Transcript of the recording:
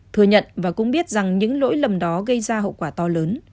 thừa nhận và cũng biết rằng những lỗi lầm đó gây ra hậu quả to lớn